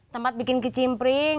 tempat bikin kecimpring